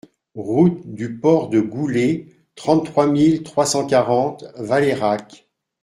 Route du Port de Goulée, trente-trois mille trois cent quarante Valeyrac